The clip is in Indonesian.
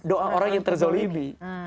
doa orang yang terzolimi